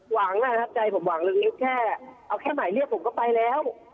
หวังนะครับใจผมหวังเรื่องนี้แค่เอาแค่หมายเรียกผมก็ไปแล้ว